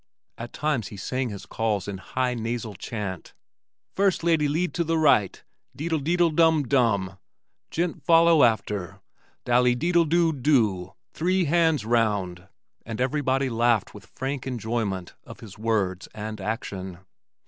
At times he sang his calls in high nasal chant, "First lady lead to the right, deedle, deedle dum dum gent foller after dally deedle do do three hands round" and everybody laughed with frank enjoyment of his words and action.